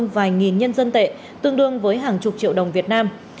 vài nghìn nhân dân tệ tương đương với hàng chục triệu đồng việt nam